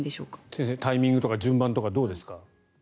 先生、タイミングとか順番とかどうでしょう。